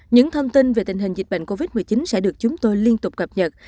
những thông tin về tình hình dịch bệnh covid một mươi chín sẽ được chúng tôi liên tục cập nhật